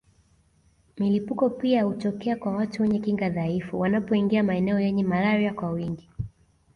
Milipuko pia hutokea kwa watu wenye kinga dhaifu wanapoingia maeneo yenye malaria kwa wingi